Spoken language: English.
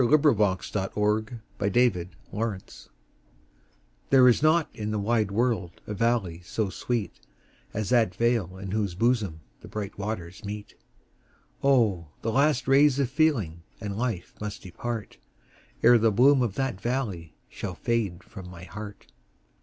The Meeting of the Waters THERE is not in the wide world a valley so sweet As that vale in whose bosom the bright waters meet; Oh! the last rays of feeling and life must depart, Ere the bloom of that valley shall fade from my heart.